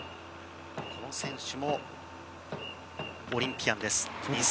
この選手もオリンピアンです。